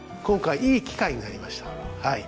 今回いい機会になりました。